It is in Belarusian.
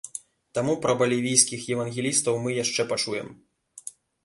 Таму пра балівійскіх евангелістаў мы яшчэ пачуем.